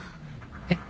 えっ？